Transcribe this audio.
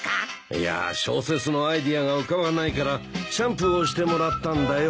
いやあ小説のアイデアが浮かばないからシャンプーをしてもらったんだよ。